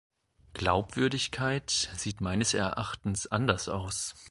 Glaubwürdigkeit sieht meines Erachtens anders aus.